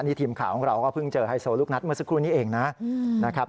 นี่ทีมข่าวของเราก็เพิ่งเจอไฮโซลูกนัดเมื่อสักครู่นี้เองนะครับ